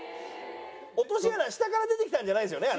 落とし穴下から出てきたんじゃないですよね？